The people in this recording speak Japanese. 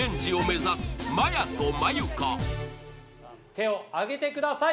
手を上げてください！